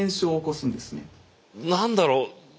何だろう